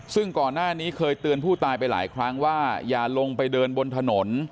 ซึ่งก่อนหน้านี้เคยเตือนผู้ตายไปหลายครั้งว่าอย่าลงไปเดินบนถนน